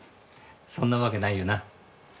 そんなわけないよな。